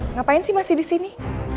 ngapain sih masih di sini